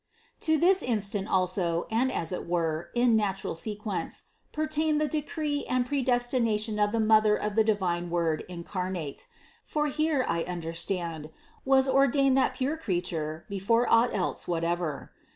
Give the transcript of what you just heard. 42. To this instant also, and, as it were, in natural sequence, pertain the decree and predestination of the Mother of the Divine Word incarnate ; for here, I under stand, was ordained that pure Creature before aught else whatever.